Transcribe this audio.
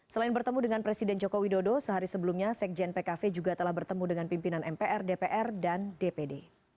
selain bertemu dengan presiden joko widodo sehari sebelumnya sekjen pkv juga telah bertemu dengan pimpinan mpr dpr dan dpd